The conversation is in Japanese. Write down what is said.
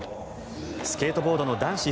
スケートボードの男子